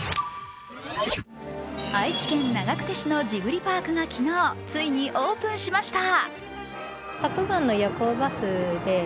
愛知県長久手市のジブリパークが昨日、ついにオープンしました。